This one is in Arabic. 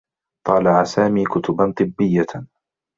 طالع سامي كتبا طبّيّة.